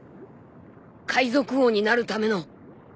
海賊王になるための。